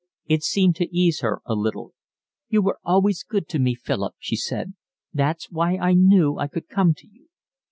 It seemed to ease her a little. "You were always good to me, Philip," she said. "That's why I knew I could come to you."